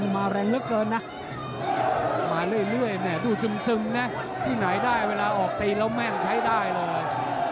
มาเรื่อยดูซึมที่ไหนได้เวลาออกตีแล้วแม่งใช้ได้เลย